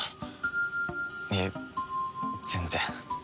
いえ全然。